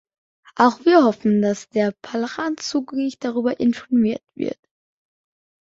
Auch wir hoffen, dass das Parlament zügig darüber informiert wird.